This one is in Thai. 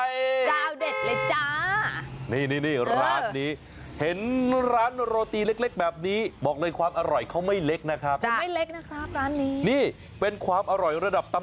เยี่ยมเลย